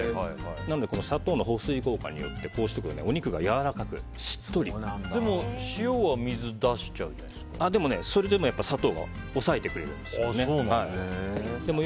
なので砂糖の保水効果によってこうすることで、お肉がでも、塩はでも、それでも砂糖が抑えてくれるんですよ。